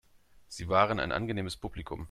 Sie waren ein angenehmes Publikum.